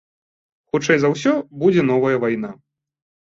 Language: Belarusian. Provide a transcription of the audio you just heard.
Хутчэй за ўсё, будзе новая вайна.